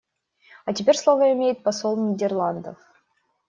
А теперь слово имеет посол Нидерландов.